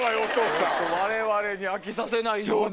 我々に飽きさせないように？